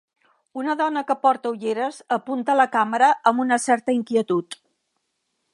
Una dona que porta ulleres apunta a la càmera amb una certa inquietud.